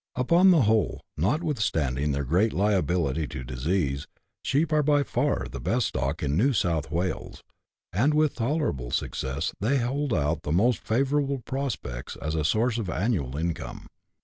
Upon the whole, notwithstanding their greater liability to disease, sheep are by far the best stock in New South Wales ; and with tolerable success they hold out the most favourable prospects as a source of annual income.